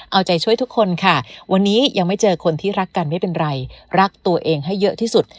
เอาใจช่วยทุกคนค่ะวันนี้ยังไม่เจอคนที่รักกันไม่เป็นไรรักตัวเองให้เยอะที่สุด